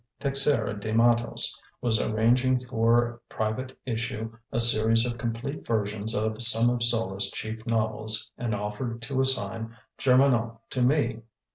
Texeira de Mattos was arranging for private issue a series of complete versions of some of Zola's chief novels and offered to assign Germinal to me.